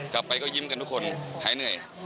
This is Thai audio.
ไปก็ยิ้มกันทุกคนหายเหนื่อย